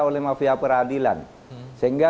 oleh ma peradilan sehingga